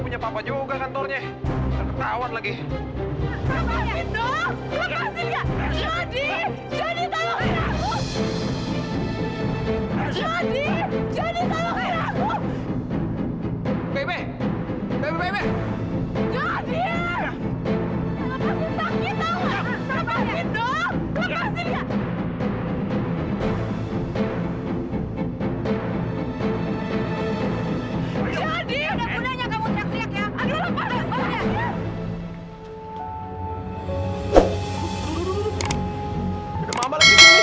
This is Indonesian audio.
sampai jumpa di video selanjutnya